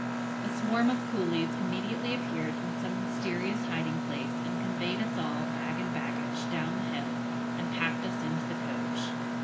A swarm of coolies immediately appeared from some mysterious hiding place, and conveyed us all, bag and baggage, down the hill, and packed us into the coach.